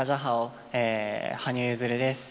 羽生結弦です。